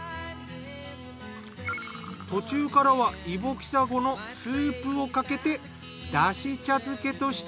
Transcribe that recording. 途中からはイボキサゴのスープをかけてだし茶漬けとしても味わえます。